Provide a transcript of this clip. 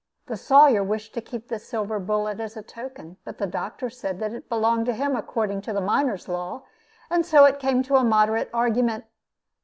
The Sawyer wished to keep this silver bullet as a token, but the doctor said that it belonged to him according to miners' law; and so it came to a moderate argument.